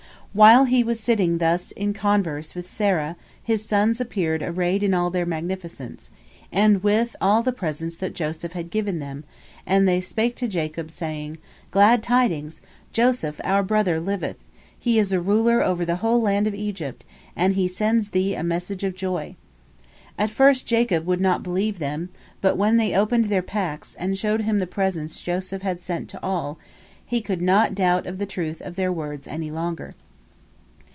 While he was sitting thus in converse with Serah, his sons appeared arrayed in all their magnificence, and with all the presents that Joseph had given them, and they spake to Jacob, saying: "Glad tidings! Joseph our brother liveth! He is ruler over the whole land of Egypt, and he sends thee a message of joy." At first Jacob would not believe them, but when they opened their packs, and showed him the presents Joseph had sent to all, he could not doubt the truth of their words any longer.